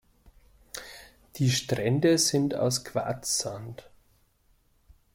Die Strände sind aus Quarzsand.